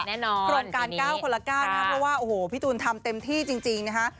โครงการ๙คนละ๙นะครับเพราะว่าโอ้โหพี่ตูนทำเต็มที่จริงนะฮะ